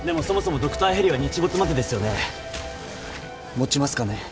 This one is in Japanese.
持ちますかね。